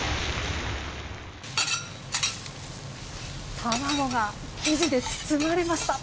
卵が生地で包まれました。